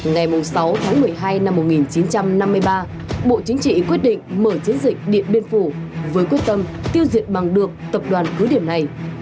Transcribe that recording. ngày sáu tháng một mươi hai năm một nghìn chín trăm năm mươi ba bộ chính trị quyết định mở chiến dịch điện biên phủ với quyết tâm tiêu diệt bằng được tập đoàn cứ điểm này